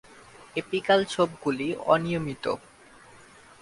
Apical ছোপগুলি অনিয়মিত।